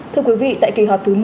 thưa quý vị tại kỳ họp thứ một mươi